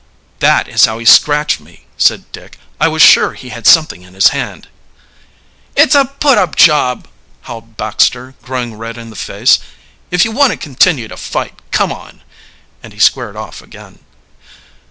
"That is how he scratched me," said Dick. "I was sure he had something in his hand." "It's a put up job!" howled Baxter, growing red in the face. "If you want to continue the fight, come on!" and he squared off again.